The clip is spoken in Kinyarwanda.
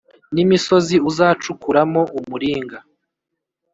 n’imisozi uzacukuramo umuringa. “